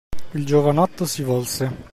Il giovanotto si volse.